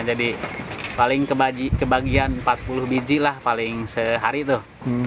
jadi paling kebagian empat puluh bijilah paling sehari tuh